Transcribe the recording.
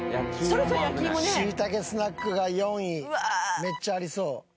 しいたけスナックが４位めっちゃありそう。